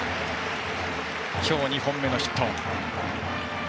今日２本目のヒット、森。